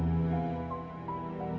mama gak mau berhenti